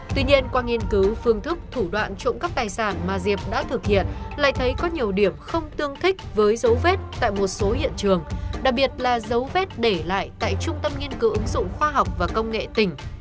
tuy nhiên qua nghiên cứu phương thức thủ đoạn trộm cắp tài sản mà diệp đã thực hiện lại thấy có nhiều điểm không tương thích với dấu vết tại một số hiện trường đặc biệt là dấu vết để lại tại trung tâm nghiên cứu ứng dụng khoa học và công nghệ tỉnh